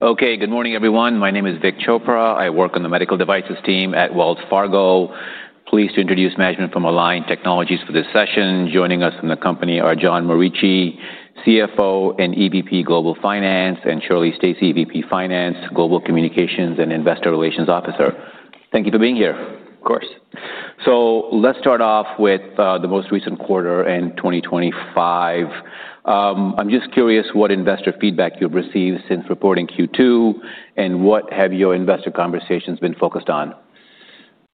Okay, good morning everyone. My name is Vik Chopra. I work on the medical devices team at Wells Fargo. Pleased to introduce management from Align Technology for this session. Joining us from the company are John Morici, CFO and EVP Global Finance, and Shirley Stacy, VP Finance, Global Communications and Investor Relations Officer. Thank you for being here. Of course. Let's start off with the most recent quarter in 2025. I'm just curious what investor feedback you've received since reporting Q2, and what have your investor conversations been focused on?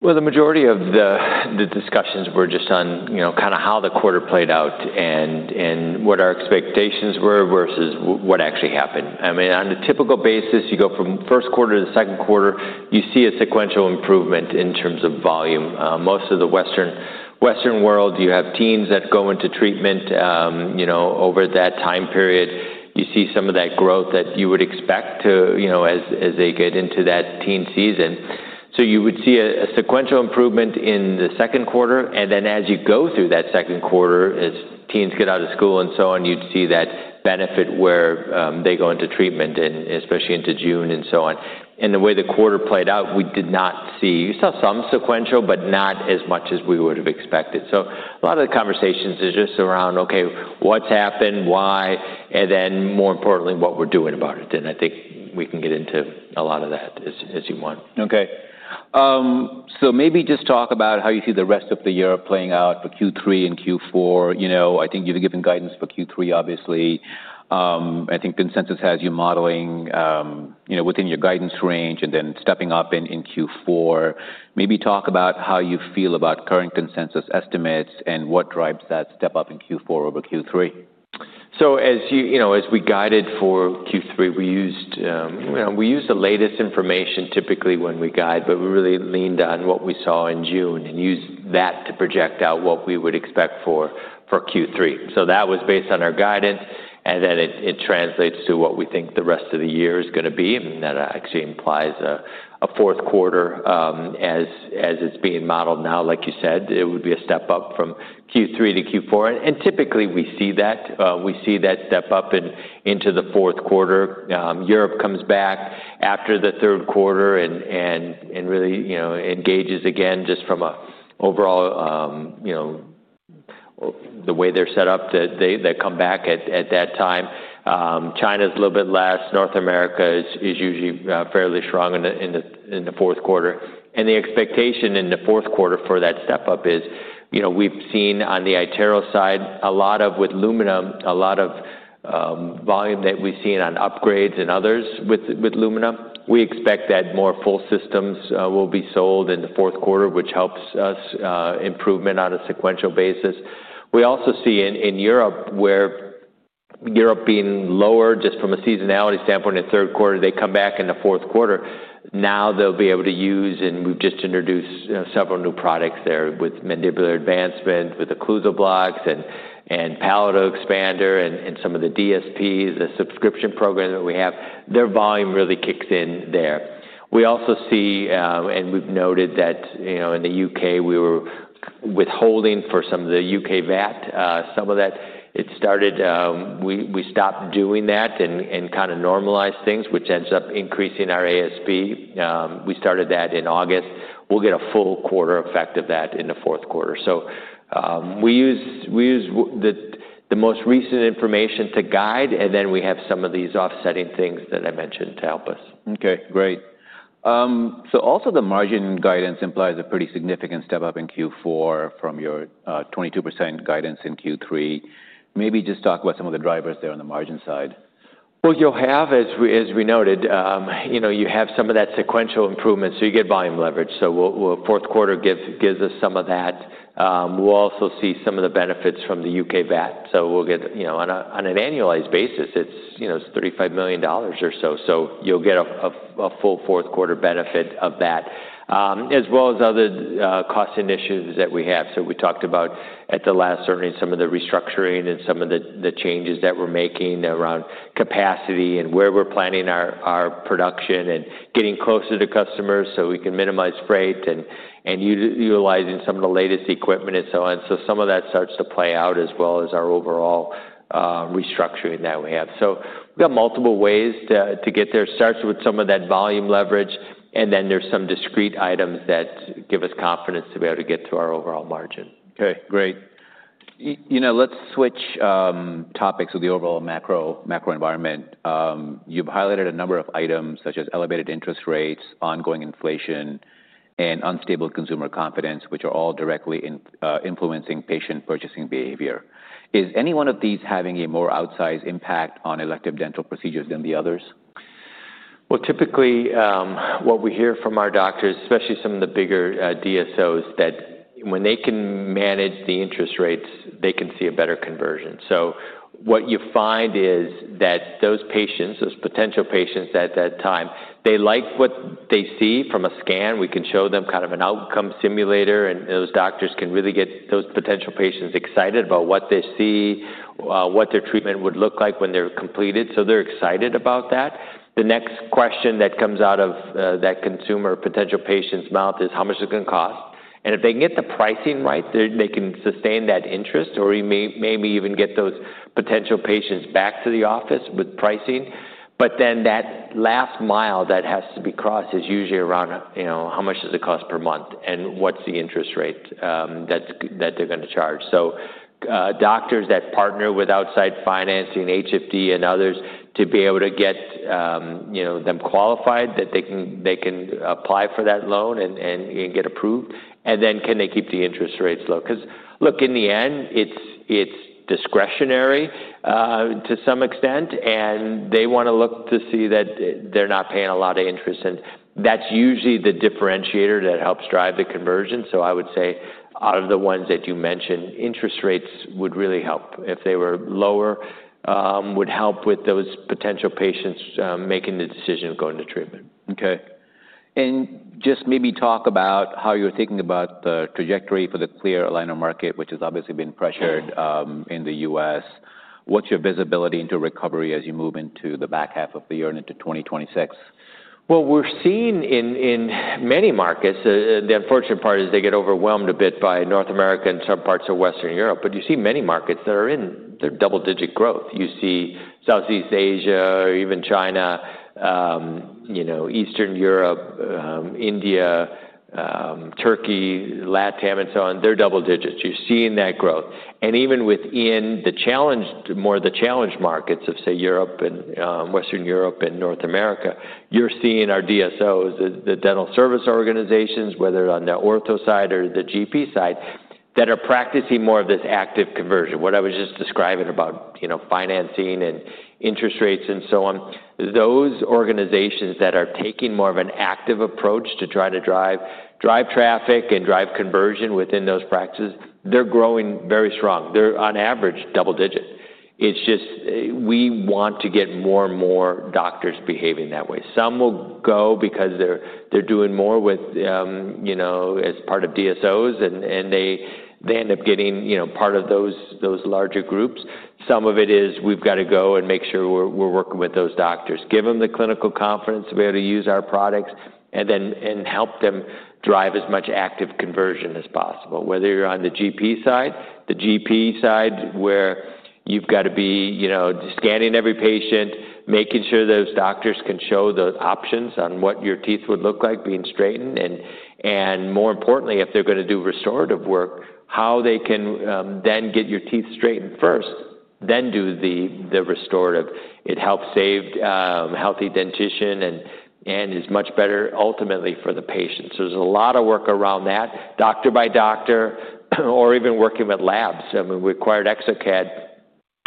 The majority of the discussions were just on kind of how the quarter played out and what our expectations were versus what actually happened. I mean, on a typical basis, you go from first quarter to second quarter, you see a sequential improvement in terms of volume. Most of the Western world, you have teens that go into treatment over that time period. You see some of that growth that you would expect as they get into that teen season. So you would see a sequential improvement in the second quarter, and then as you go through that second quarter, as teens get out of school and so on, you'd see that benefit where they go into treatment, and especially into June and so on. The way the quarter played out, we did not see. You saw some sequential, but not as much as we would have expected. So a lot of the conversations are just around, okay, what's happened, why, and then more importantly, what we're doing about it. And I think we can get into a lot of that as you want. Okay. So maybe just talk about how you see the rest of the year playing out for Q3 and Q4. I think you've given guidance for Q3, obviously. I think consensus has you modeling within your guidance range and then stepping up in Q4. Maybe talk about how you feel about current consensus estimates and what drives that step up in Q4 over Q3. So as we guided for Q3, we used the latest information typically when we guide, but we really leaned on what we saw in June and used that to project out what we would expect for Q3. So that was based on our guidance, and then it translates to what we think the rest of the year is going to be, and that actually implies a fourth quarter as it's being modeled now. Like you said, it would be a step up from Q3 to Q4. And typically we see that. We see that step up into the fourth quarter. Europe comes back after the third quarter and really engages again just from an overall, the way they're set up, they come back at that time. China's a little bit less. North America is usually fairly strong in the fourth quarter. The expectation in the fourth quarter for that step up is we've seen on the iTero side a lot of, with Lumina, a lot of volume that we've seen on upgrades and others with Lumina. We expect that more full systems will be sold in the fourth quarter, which helps us improve on a sequential basis. We also see in Europe where Europe being lower just from a seasonality standpoint in third quarter, they come back in the fourth quarter. Now they'll be able to use, and we've just introduced several new products there with mandibular advancement, with occlusal blocks and palatal expander, and some of the DSPs, the subscription program that we have. Their volume really kicks in there. We also see, and we've noted that in the U.K., we were withholding for some of the U.K. VAT. Some of that, it started—we stopped doing that and kind of normalized things, which ends up increasing our ASP. We started that in August. We'll get a full quarter effect of that in the fourth quarter. So we use the most recent information to guide, and then we have some of these offsetting things that I mentioned to help us. Okay, great. So also the margin guidance implies a pretty significant step up in Q4 from your 22% guidance in Q3. Maybe just talk about some of the drivers there on the margin side. You'll have, as we noted, you have some of that sequential improvement, so you get volume leverage. So fourth quarter gives us some of that. We'll also see some of the benefits from the U.K. VAT. So we'll get on an annualized basis, it's $35 million or so. So you'll get a full fourth quarter benefit of that, as well as other cost initiatives that we have. So we talked about at the last certainly some of the restructuring and some of the changes that we're making around capacity and where we're planning our production and getting closer to customers so we can minimize freight and utilizing some of the latest equipment and so on. So some of that starts to play out as well as our overall restructuring that we have. So we've got multiple ways to get there. It starts with some of that volume leverage, and then there's some discrete items that give us confidence to be able to get to our overall margin. Okay, great. Let's switch topics with the overall macro environment. You've highlighted a number of items such as elevated interest rates, ongoing inflation, and unstable consumer confidence, which are all directly influencing patient purchasing behavior. Is any one of these having a more outsized impact on elective dental procedures than the others? Well, typically what we hear from our doctors, especially some of the bigger DSOs, that when they can manage the interest rates, they can see a better conversion. So what you find is that those patients, those potential patients at that time, they like what they see from a scan. We can show them kind of an outcome simulator, and those doctors can really get those potential patients excited about what they see, what their treatment would look like when they're completed. So they're excited about that. The next question that comes out of that consumer potential patient's mouth is how much is it going to cost? And if they can get the pricing right, they can sustain that interest or maybe even get those potential patients back to the office with pricing. But then that last mile that has to be crossed is usually around how much does it cost per month and what's the interest rate that they're going to charge. So doctors that partner with outside financing, HFD and others to be able to get them qualified, that they can apply for that loan and get approved. And then can they keep the interest rates low? Because look, in the end, it's discretionary to some extent, and they want to look to see that they're not paying a lot of interest. And that's usually the differentiator that helps drive the conversion. So I would say out of the ones that you mentioned, interest rates would really help. If they were lower, would help with those potential patients making the decision of going to treatment. Okay. And just maybe talk about how you're thinking about the trajectory for the clear alignment market, which has obviously been pressured in the U.S. What's your visibility into recovery as you move into the back half of the year and into 2026? We're seeing in many markets. The unfortunate part is they get overwhelmed a bit by North America and some parts of Western Europe. You see many markets that are in their double-digit growth. You see Southeast Asia, even China, Eastern Europe, India, Turkey, LATAM, and so on. They're double digits. You're seeing that growth. Even within the more challenging markets of, say, Europe and Western Europe and North America, you're seeing our DSOs, the dental service organizations, whether on the ortho side or the GP side, that are practicing more of this active conversion. What I was just describing about financing and interest rates and so on, those organizations that are taking more of an active approach to try to drive traffic and drive conversion within those practices, they're growing very strong. They're on average double-digit. It's just we want to get more and more doctors behaving that way. Some will go because they're doing more as part of DSOs, and they end up getting part of those larger groups. Some of it is we've got to go and make sure we're working with those doctors, give them the clinical confidence of able to use our products, and then help them drive as much active conversion as possible. Whether you're on the GP side, the GP side where you've got to be scanning every patient, making sure those doctors can show the options on what your teeth would look like being straightened, and more importantly, if they're going to do restorative work, how they can then get your teeth straightened first, then do the restorative. It helps save healthy dentition and is much better ultimately for the patients. There's a lot of work around that, doctor by doctor, or even working with labs. I mean, we acquired exocad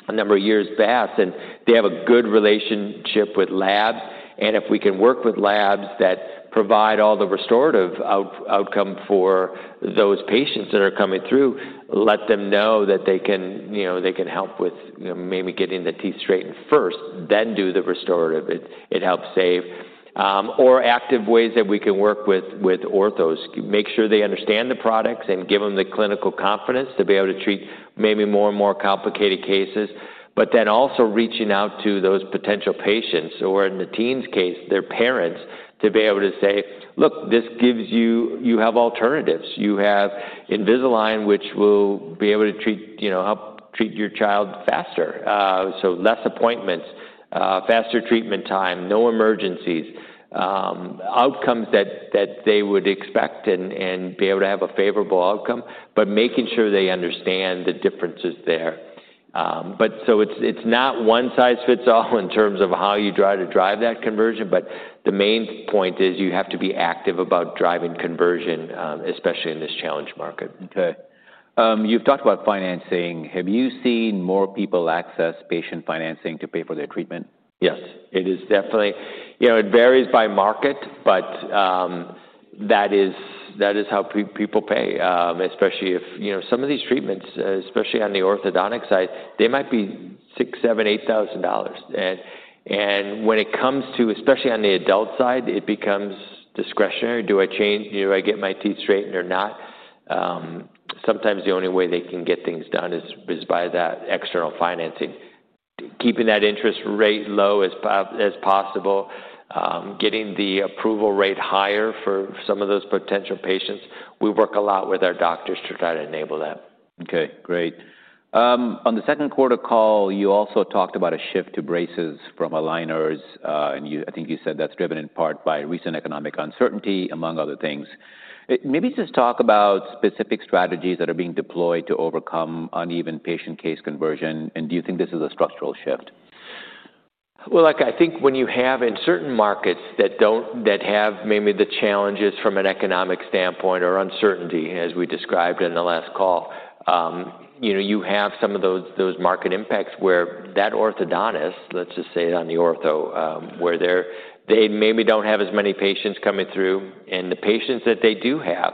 a number of years back, and they have a good relationship with labs, and if we can work with labs that provide all the restorative outcome for those patients that are coming through, let them know that they can help with maybe getting the teeth straightened first, then do the restorative. It helps save or active ways that we can work with orthos. Make sure they understand the products and give them the clinical confidence to be able to treat maybe more and more complicated cases, but then also reaching out to those potential patients or in the teen's case, their parents, to be able to say, "Look, this gives you you have alternatives. You have Invisalign, which will be able to help treat your child faster." So, less appointments, faster treatment time, no emergencies, outcomes that they would expect and be able to have a favorable outcome, but making sure they understand the differences there. But so it's not one size fits all in terms of how you try to drive that conversion, but the main point is you have to be active about driving conversion, especially in this challenging market. Okay. You've talked about financing. Have you seen more people access patient financing to pay for their treatment? Yes, it is definitely. It varies by market, but that is how people pay, especially if some of these treatments, especially on the orthodontic side, they might be $6,000-$8,000. And when it comes to, especially on the adult side, it becomes discretionary. Do I get my teeth straightened or not? Sometimes the only way they can get things done is by that external financing. Keeping that interest rate low as possible, getting the approval rate higher for some of those potential patients. We work a lot with our doctors to try to enable that. Okay, great. On the second quarter call, you also talked about a shift to braces from aligners. And I think you said that's driven in part by recent economic uncertainty, among other things. Maybe just talk about specific strategies that are being deployed to overcome uneven patient case conversion. And do you think this is a structural shift? Look, I think when you have in certain markets that have maybe the challenges from an economic standpoint or uncertainty, as we described in the last call, you have some of those market impacts where that orthodontist, let's just say on the ortho, where they maybe don't have as many patients coming through. And the patients that they do have,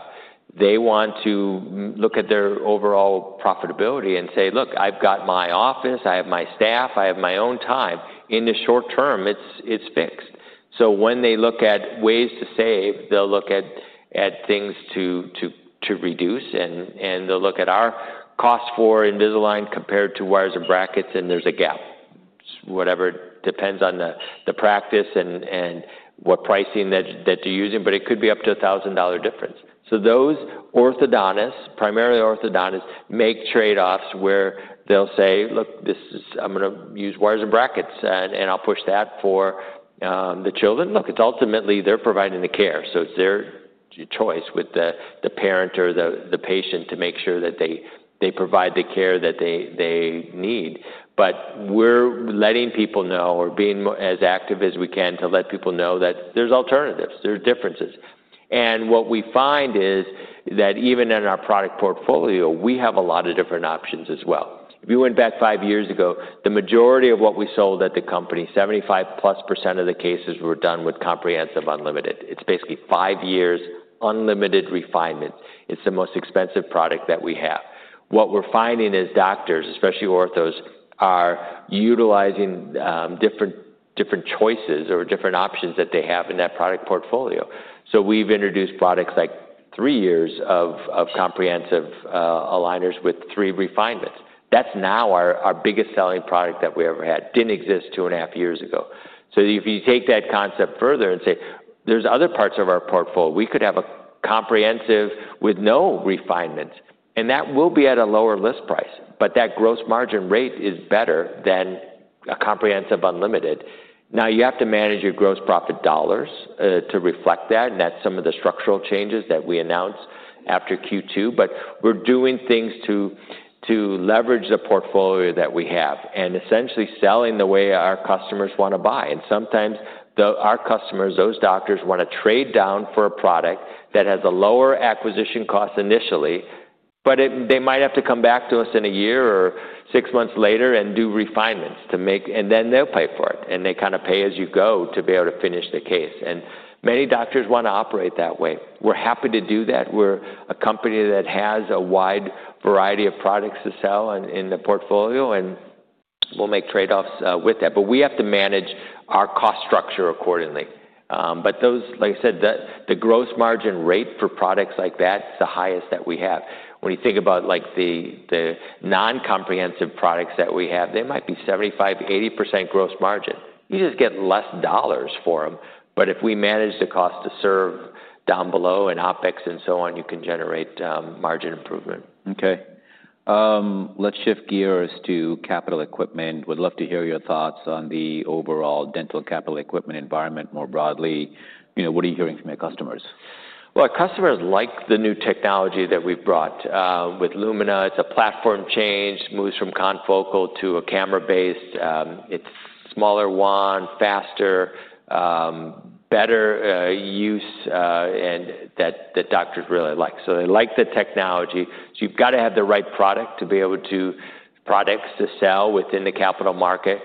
they want to look at their overall profitability and say, "Look, I've got my office. I have my staff. I have my own time." In the short term, it's fixed. So when they look at ways to save, they'll look at things to reduce, and they'll look at our cost for Invisalign compared to wires and brackets, and there's a gap, whatever depends on the practice and what pricing that you're using. But it could be up to a $1,000 difference. So those orthodontists, primarily orthodontists, make trade-offs where they'll say, "Look, I'm going to use wires and brackets, and I'll push that for the children." Look, it's ultimately they're providing the care. So it's their choice with the parent or the patient to make sure that they provide the care that they need. But we're letting people know or being as active as we can to let people know that there's alternatives. There are differences. And what we find is that even in our product portfolio, we have a lot of different options as well. If you went back five years ago, the majority of what we sold at the company, 75%+ of the cases were done with Comprehensive Unlimited. It's basically five years unlimited refinement. It's the most expensive product that we have. What we're finding is doctors, especially orthos, are utilizing different choices or different options that they have in that product portfolio. So we've introduced products like three years of Comprehensive aligners with three refinements. That's now our biggest selling product that we ever had. Didn't exist two and a half years ago. So if you take that concept further and say, there's other parts of our portfolio, we could have a Comprehensive with no refinements, and that will be at a lower list price, but that gross margin rate is better than a Comprehensive Unlimited. Now you have to manage your gross profit dollars to reflect that, and that's some of the structural changes that we announced after Q2. But we're doing things to leverage the portfolio that we have and essentially selling the way our customers want to buy. Sometimes our customers, those doctors, want to trade down for a product that has a lower acquisition cost initially, but they might have to come back to us in a year or six months later and do refinements to make, and then they'll pay for it. They kind of pay as you go to be able to finish the case. Many doctors want to operate that way. We're happy to do that. We're a company that has a wide variety of products to sell in the portfolio, and we'll make trade-offs with that. We have to manage our cost structure accordingly. Those, like I said, the gross margin rate for products like that is the highest that we have. When you think about the non-Comprehensive products that we have, they might be 75%-80% gross margin. You just get less dollars for them. But if we manage the cost to serve down below in OpEx and so on, you can generate margin improvement. Okay. Let's shift gears to capital equipment. Would love to hear your thoughts on the overall dental capital equipment environment more broadly. What are you hearing from your customers? Customers like the new technology that we've brought with Lumina. It's a platform change, moves from confocal to a camera-based. It's smaller wand, faster, better use, and that doctors really like. They like the technology. You've got to have the right product to be able to sell products within the capital market.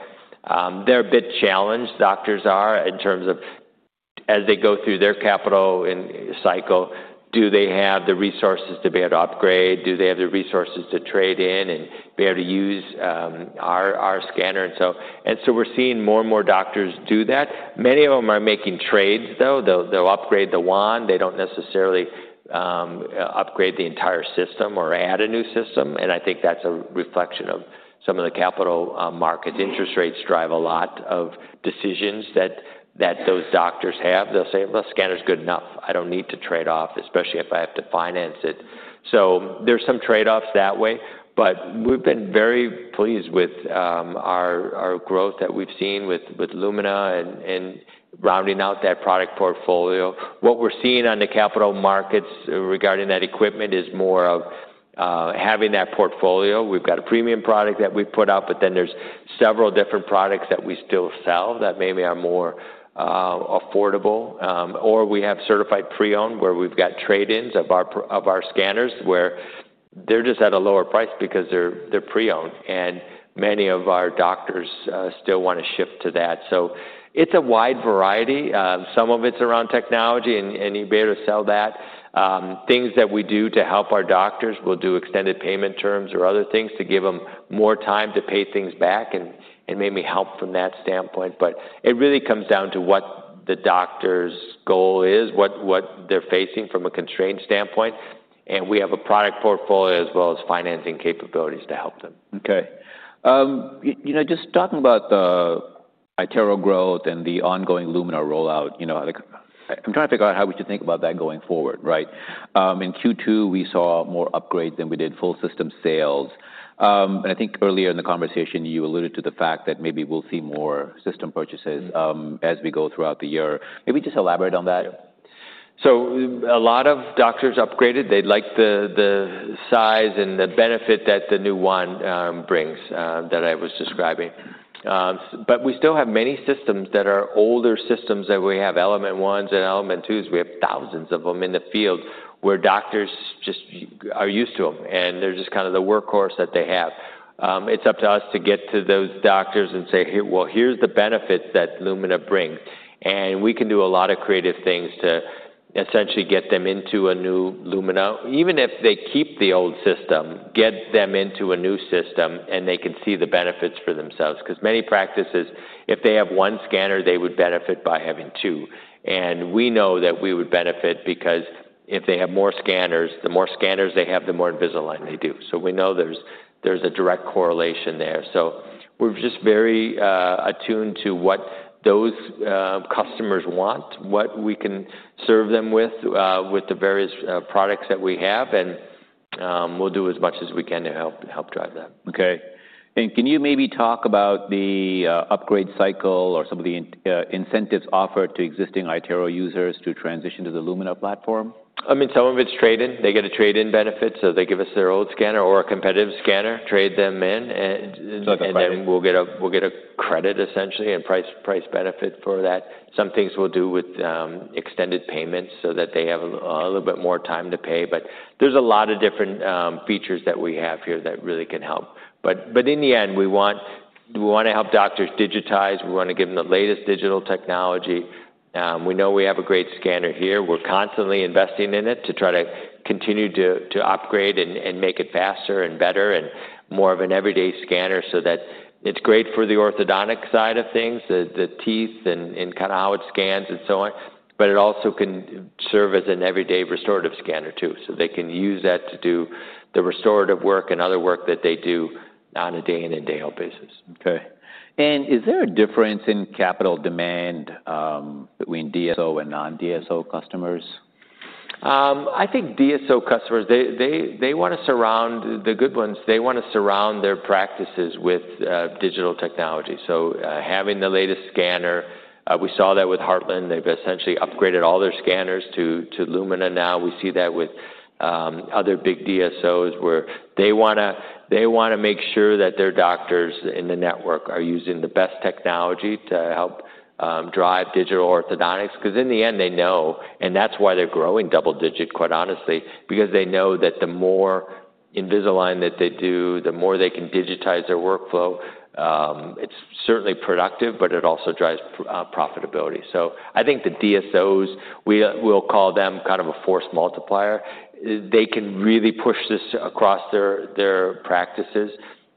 They're a bit challenged, doctors are, in terms of as they go through their capital cycle. Do they have the resources to be able to upgrade? Do they have the resources to trade in and be able to use our scanner? We're seeing more and more doctors do that. Many of them are making trades, though. They'll upgrade the wand. They don't necessarily upgrade the entire system or add a new system. I think that's a reflection of some of the capital markets. Interest rates drive a lot of decisions that those doctors have. They'll say, "Well, scanner's good enough. I don't need to trade off, especially if I have to finance it." So there's some trade-offs that way. But we've been very pleased with our growth that we've seen with Lumina and rounding out that product portfolio. What we're seeing on the capital markets regarding that equipment is more of having that portfolio. We've got a premium product that we put out, but then there's several different products that we still sell that maybe are more affordable. Or we have certified pre-owned where we've got trade-ins of our scanners where they're just at a lower price because they're pre-owned. And many of our doctors still want to shift to that. So it's a wide variety. Some of it's around technology and you'll be able to sell that. Things that we do to help our doctors, we'll do extended payment terms or other things to give them more time to pay things back and maybe help from that standpoint, but it really comes down to what the doctor's goal is, what they're facing from a constrained standpoint, and we have a product portfolio as well as financing capabilities to help them. Okay. Just talking about the iTero growth and the ongoing Lumina rollout, I'm trying to figure out how we should think about that going forward, right? In Q2, we saw more upgrades than we did full system sales. And I think earlier in the conversation, you alluded to the fact that maybe we'll see more system purchases as we go throughout the year. Maybe just elaborate on that. So a lot of doctors upgraded. They like the size and the benefit that the new one brings that I was describing. But we still have many systems that are older systems that we have Element 1s and Element 2s. We have thousands of them in the field where doctors just are used to them, and they're just kind of the workhorse that they have. It's up to us to get to those doctors and say, "Well, here's the benefits that Lumina brings." And we can do a lot of creative things to essentially get them into a new Lumina, even if they keep the old system, get them into a new system, and they can see the benefits for themselves. Because many practices, if they have one scanner, they would benefit by having two. We know that we would benefit because if they have more scanners, the more scanners they have, the more Invisalign they do. We know there's a direct correlation there. We're just very attuned to what those customers want, what we can serve them with, with the various products that we have. We'll do as much as we can to help drive that. Okay. And can you maybe talk about the upgrade cycle or some of the incentives offered to existing iTero users to transition to the Lumina platform? I mean, some of it's trade-in. They get a trade-in benefit. So they give us their old scanner or a competitive scanner, trade them in, and then we'll get a credit essentially and price benefit for that. Some things we'll do with extended payments so that they have a little bit more time to pay. But there's a lot of different features that we have here that really can help. But in the end, we want to help doctors digitize. We want to give them the latest digital technology. We know we have a great scanner here. We're constantly investing in it to try to continue to upgrade and make it faster and better and more of an everyday scanner so that it's great for the orthodontic side of things, the teeth and kind of how it scans and so on. But it also can serve as an everyday restorative scanner too. So they can use that to do the restorative work and other work that they do on a day-in and day-out basis. Okay. And is there a difference in capital demand between DSO and non-DSO customers? I think DSO customers, they want to surround the good ones. They want to surround their practices with digital technology, so having the latest scanner, we saw that with Heartland. They've essentially upgraded all their scanners to Lumina now. We see that with other big DSOs where they want to make sure that their doctors in the network are using the best technology to help drive digital orthodontics. Because in the end, they know, and that's why they're growing double-digit, quite honestly, because they know that the more Invisalign that they do, the more they can digitize their workflow, it's certainly productive, but it also drives profitability, so I think the DSOs, we'll call them kind of a force multiplier. They can really push this across their practices,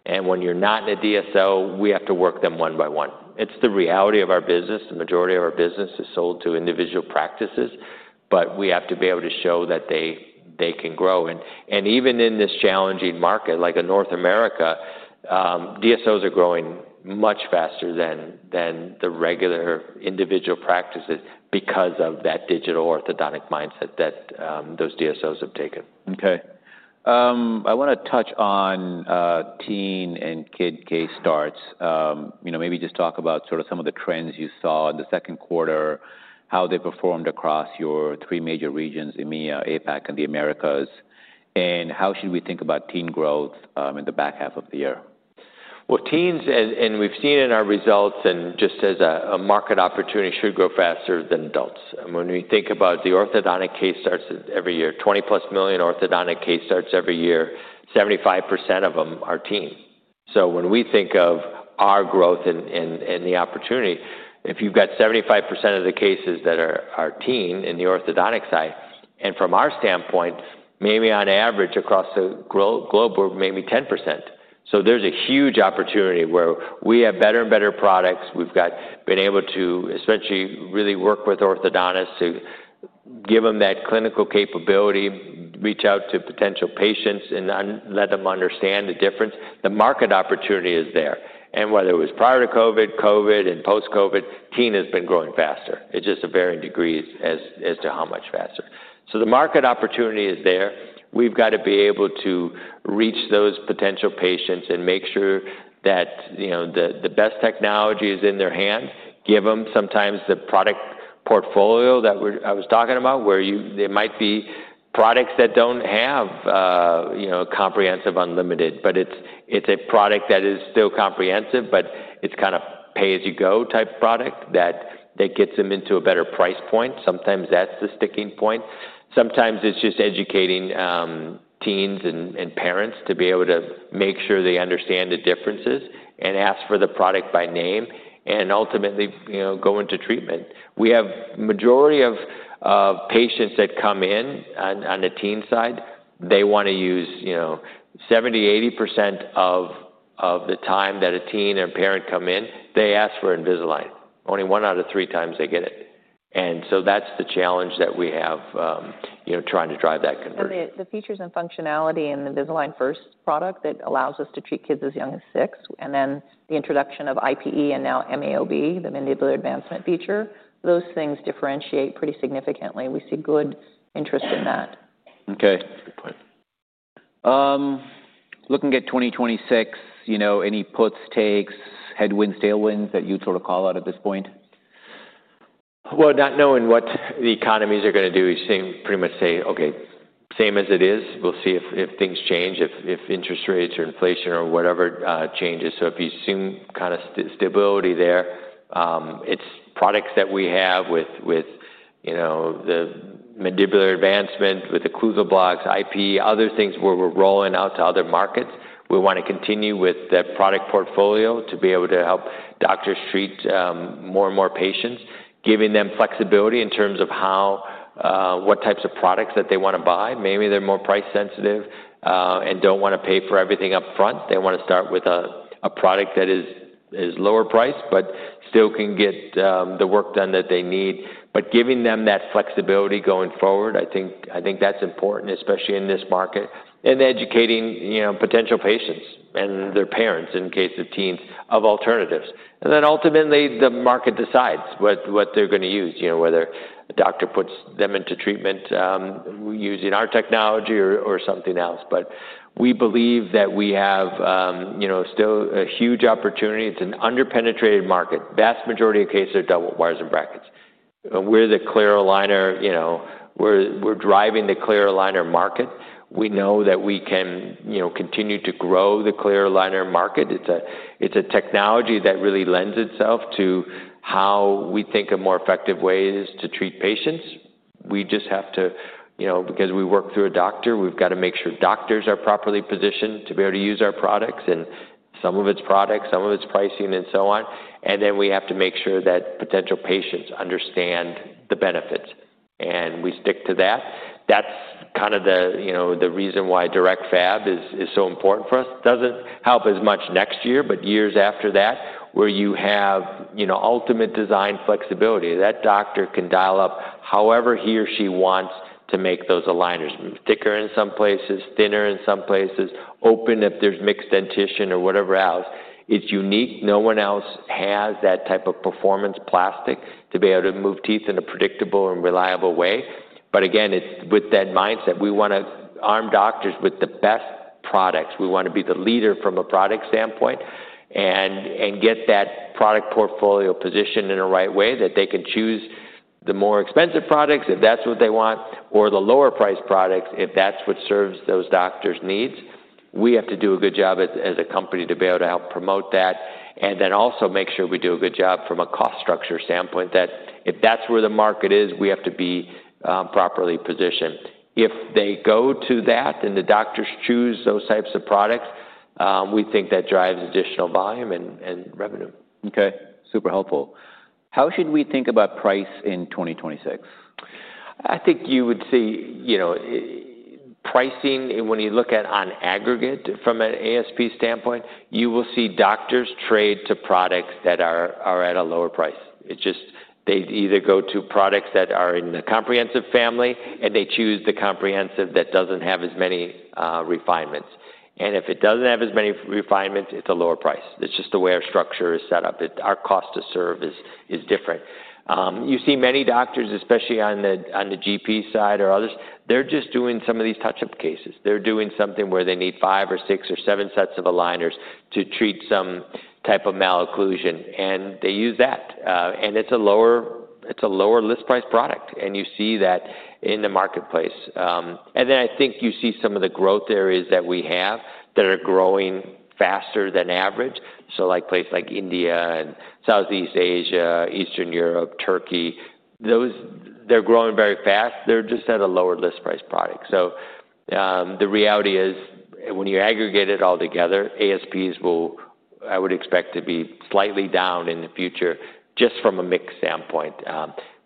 and when you're not in a DSO, we have to work them one by one. It's the reality of our business. The majority of our business is sold to individual practices, but we have to be able to show that they can grow, and even in this challenging market, like in North America, DSOs are growing much faster than the regular individual practices because of that digital orthodontic mindset that those DSOs have taken. Okay. I want to touch on teen and kid case starts. Maybe just talk about sort of some of the trends you saw in the second quarter, how they performed across your three major regions, EMEA, APAC, and the Americas, and how should we think about teen growth in the back half of the year? Teens, and we've seen in our results and just as a market opportunity should grow faster than adults. When we think about the orthodontic case starts every year, 20+ million orthodontic case starts every year, 75% of them are teen. So when we think of our growth and the opportunity, if you've got 75% of the cases that are teen in the orthodontic side, and from our standpoint, maybe on average across the globe, we're maybe 10%. So there's a huge opportunity where we have better and better products. We've been able to essentially really work with orthodontists to give them that clinical capability, reach out to potential patients, and let them understand the difference. The market opportunity is there. And whether it was prior to COVID, COVID, and post-COVID, teen has been growing faster. It's just varying degrees as to how much faster. So the market opportunity is there. We've got to be able to reach those potential patients and make sure that the best technology is in their hands. Give them sometimes the product portfolio that I was talking about, where there might be products that don't have Comprehensive Unlimited, but it's a product that is still Comprehensive, but it's kind of pay-as-you-go type product that gets them into a better price point. Sometimes that's the sticking point. Sometimes it's just educating teens and parents to be able to make sure they understand the differences and ask for the product by name and ultimately go into treatment. We have a majority of patients that come in on the teen side, they want to use 70%-80% of the time that a teen and parent come in, they ask for Invisalign. Only one out of three times they get it. And so that's the challenge that we have trying to drive that conversion. The features and functionality in the Invisalign First product that allows us to treat kids as young as six, and then the introduction of IPE and now MA, OB, the mandibular advancement feature, those things differentiate pretty significantly. We see good interest in that. Okay. Looking at 2026, any puts, takes, headwinds, tailwinds that you'd sort of call out at this point? Well, not knowing what the economies are going to do, you seem pretty much say, "Okay, same as it is. We'll see if things change, if interest rates or inflation or whatever changes." So if you assume kind of stability there, it's products that we have with the mandibular advancement, with the occlusal blocks, IPE, other things where we're rolling out to other markets. We want to continue with that product portfolio to be able to help doctors treat more and more patients, giving them flexibility in terms of what types of products that they want to buy. Maybe they're more price sensitive and don't want to pay for everything upfront. They want to start with a product that is lower priced, but still can get the work done that they need. But giving them that flexibility going forward, I think that's important, especially in this market, and educating potential patients and their parents in case of teens of alternatives. And then ultimately, the market decides what they're going to use, whether a doctor puts them into treatment using our technology or something else. But we believe that we have still a huge opportunity. It's an under-penetrated market. Vast majority of cases are double wires and brackets. We're the clear aligner. We're driving the clear aligner market. We know that we can continue to grow the clear aligner market. It's a technology that really lends itself to how we think of more effective ways to treat patients. We just have to, because we work through a doctor, we've got to make sure doctors are properly positioned to be able to use our products and some of its products, some of its pricing, and so on, and then we have to make sure that potential patients understand the benefits, and we stick to that. That's kind of the reason why Direct Fab is so important for us. It doesn't help as much next year, but years after that, where you have ultimate design flexibility. That doctor can dial up however he or she wants to make those aligners, thicker in some places, thinner in some places, open if there's mixed dentition or whatever else. It's unique. No one else has that type of performance plastic to be able to move teeth in a predictable and reliable way, but again, it's with that mindset. We want to arm doctors with the best products. We want to be the leader from a product standpoint and get that product portfolio positioned in a right way that they can choose the more expensive products if that's what they want, or the lower price products if that's what serves those doctors' needs. We have to do a good job as a company to be able to help promote that, and then also make sure we do a good job from a cost structure standpoint that if that's where the market is, we have to be properly positioned. If they go to that and the doctors choose those types of products, we think that drives additional volume and revenue. Okay. Super helpful. How should we think about price in 2026? I think you would see pricing when you look at on aggregate from an ASP standpoint, you will see doctors trade to products that are at a lower price. It's just they either go to products that are in the Comprehensive family, and they choose the Comprehensive that doesn't have as many refinements. And if it doesn't have as many refinements, it's a lower price. It's just the way our structure is set up. Our cost to serve is different. You see many doctors, especially on the GP side or others, they're just doing some of these touch-up cases. They're doing something where they need five or six or seven sets of aligners to treat some type of malocclusion, and they use that. And it's a lower list price product, and you see that in the marketplace. Then I think you see some of the growth areas that we have that are growing faster than average. So places like India, Southeast Asia, Eastern Europe, Turkey, they're growing very fast. They're just at a lower list price product. So the reality is when you aggregate it all together, ASPs will, I would expect to be slightly down in the future just from a mix standpoint.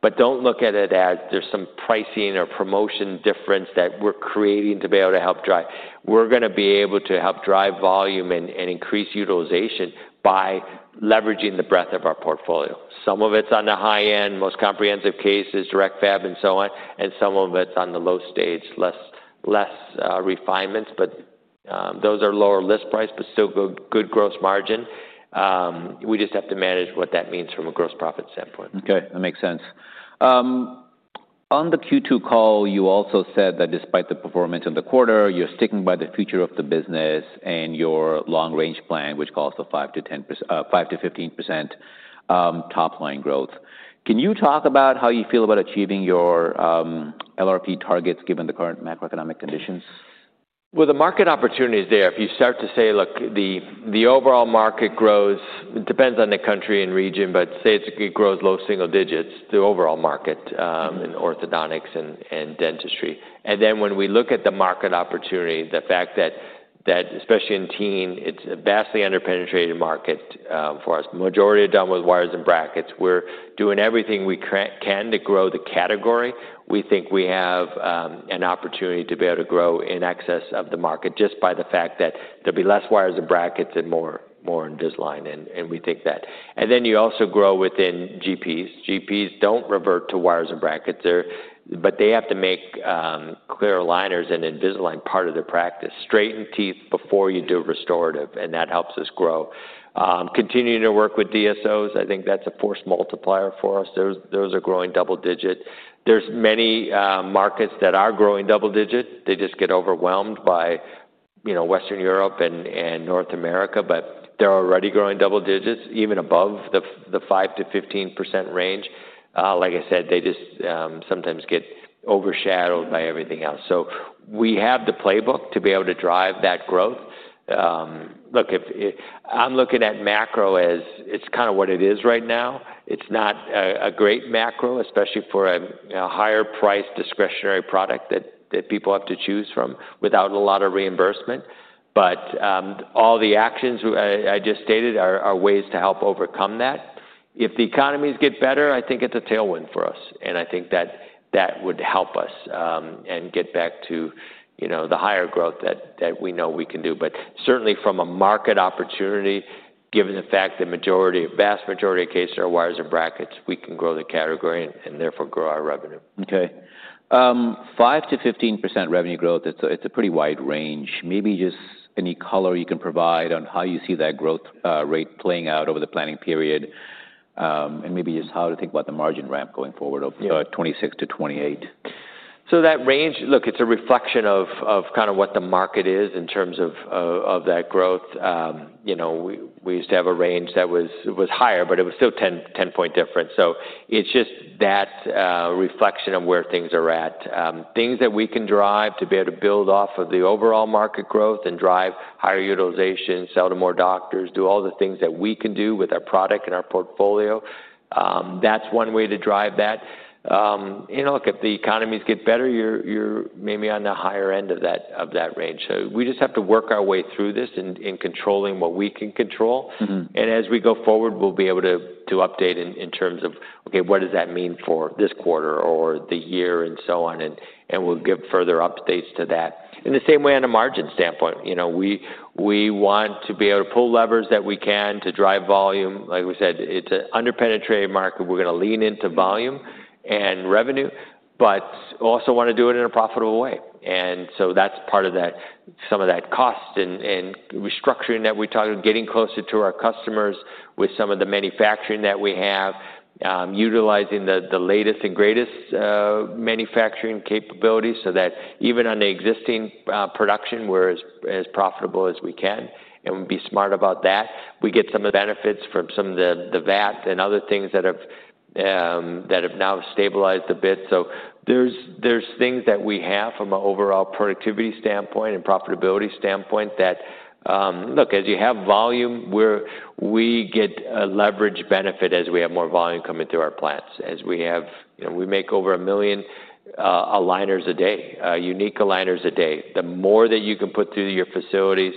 But don't look at it as there's some pricing or promotion difference that we're creating to be able to help drive. We're going to be able to help drive volume and increase utilization by leveraging the breadth of our portfolio. Some of it's on the high-end, most Comprehensive cases, Direct Fab, and so on, and some of it's on the low-end, less refinements. But those are lower list price, but still good gross margin. We just have to manage what that means from a gross profit standpoint. Okay. That makes sense. On the Q2 call, you also said that despite the performance in the quarter, you're sticking by the future of the business and your long-range plan, which costs a 5%-15% top-line growth. Can you talk about how you feel about achieving your LRP targets given the current macroeconomic conditions? The market opportunity is there. If you start to say, "Look, the overall market grows," it depends on the country and region, but say it grows low single digits, the overall market in orthodontics and dentistry. Then when we look at the market opportunity, the fact that especially in teen, it's a vastly under-penetrated market for us. The majority are done with wires and brackets. We're doing everything we can to grow the category. We think we have an opportunity to be able to grow in excess of the market just by the fact that there'll be less wires and brackets and more Invisalign, and we think that. Then you also grow within GPs. GPs don't revert to wires and brackets, but they have to make clear aligners and Invisalign part of their practice, straighten teeth before you do restorative, and that helps us grow. Continuing to work with DSOs, I think that's a force multiplier for us. Those are growing double-digit. There's many markets that are growing double-digit. They just get overwhelmed by Western Europe and North America, but they're already growing double digits, even above the 5%-15% range. Like I said, they just sometimes get overshadowed by everything else. So we have the playbook to be able to drive that growth. Look, I'm looking at macro as it's kind of what it is right now. It's not a great macro, especially for a higher-priced discretionary product that people have to choose from without a lot of reimbursement. But all the actions I just stated are ways to help overcome that. If the economies get better, I think it's a tailwind for us, and I think that that would help us and get back to the higher growth that we know we can do. But certainly from a market opportunity, given the fact the vast majority of cases are wires and brackets, we can grow the category and therefore grow our revenue. Okay. 5%-15% revenue growth, it's a pretty wide range. Maybe just any color you can provide on how you see that growth rate playing out over the planning period and maybe just how to think about the margin ramp going forward of 26%-28%? So that range, look, it's a reflection of kind of what the market is in terms of that growth. We used to have a range that was higher, but it was still a 10-point difference. So it's just that reflection of where things are at. Things that we can drive to be able to build off of the overall market growth and drive higher utilization, sell to more doctors, do all the things that we can do with our product and our portfolio, that's one way to drive that. Look, if the economies get better, you're maybe on the higher end of that range. So we just have to work our way through this in controlling what we can control. And as we go forward, we'll be able to update in terms of, "Okay, what does that mean for this quarter or the year?" and so on, and we'll give further updates to that. In the same way on a margin standpoint, we want to be able to pull levers that we can to drive volume. Like we said, it's an under-penetrated market. We're going to lean into volume and revenue, but also want to do it in a profitable way. And so that's part of some of that cost and restructuring that we talked about, getting closer to our customers with some of the manufacturing that we have, utilizing the latest and greatest manufacturing capabilities so that even on the existing production, we're as profitable as we can, and we'll be smart about that. We get some of the benefits from some of the VAT and other things that have now stabilized a bit. So there's things that we have from an overall productivity standpoint and profitability standpoint that, look, as you have volume, we get a leverage benefit as we have more volume coming through our plants. As we have, we make over a million aligners a day, unique aligners a day. The more that you can put through your facilities,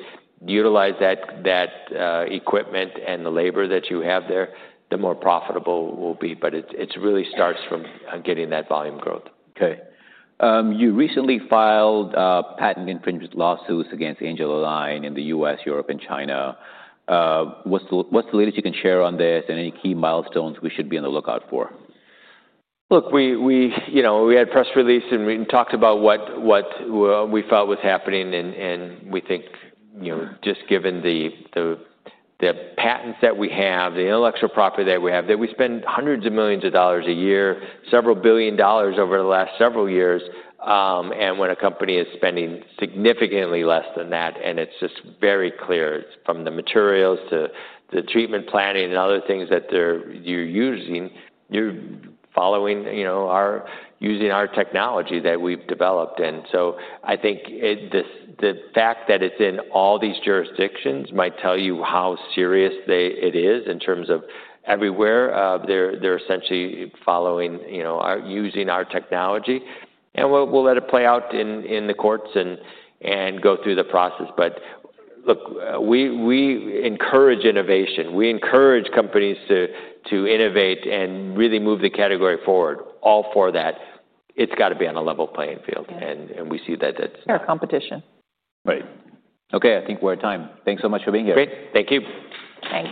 utilize that equipment and the labor that you have there, the more profitable it will be. But it really starts from getting that volume growth. Okay. You recently filed patent infringement lawsuits against Angelalign in the U.S., Europe, and China. What's the latest you can share on this and any key milestones we should be on the lookout for? Look, we had press releases and we talked about what we felt was happening, and we think just given the patents that we have, the intellectual property that we have, that we spend hundreds of millions of dollars a year, several billion dollars over the last several years, and when a company is spending significantly less than that, and it's just very clear from the materials to the treatment planning and other things that you're using, you're using our technology that we've developed. And so I think the fact that it's in all these jurisdictions might tell you how serious it is in terms of everywhere they're essentially using our technology. And we'll let it play out in the courts and go through the process. But look, we encourage innovation. We encourage companies to innovate and really move the category forward. All for that, it's got to be on a level playing field, and we see that. Competition. Right. Okay. I think we're at time. Thanks so much for being here. Great. Thank you. Thanks.